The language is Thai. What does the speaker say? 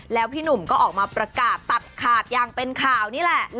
แล้วพี่หนุ่มก็ออกมาประกาศตัดขาดอย่างเป็นข่าวนี่แหละ